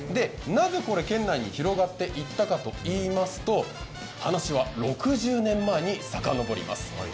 なぜ、県内に広がっていったかといいますと話は６０年前に遡ります。